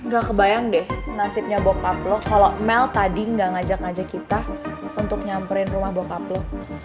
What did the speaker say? gak kebayang deh nasibnya bokap lo kalau mel tadi nggak ngajak ngajak kita untuk nyamperin rumah bokap lo